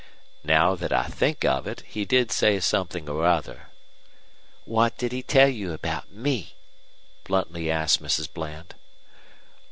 "Now that I think of it, he did say something or other." "What did he tell you about me?" bluntly asked Mrs. Bland.